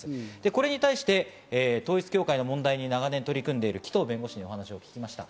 これに対して統一教会の問題に長年取り組んでいる紀藤弁護士の話を聞きました。